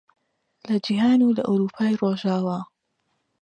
لە جیهان و لە ئەورووپای ڕۆژاوا